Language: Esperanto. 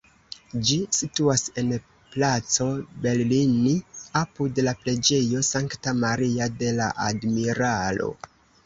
Ĝi situas en Placo Bellini, apud la Preĝejo Sankta Maria de la Admiralo.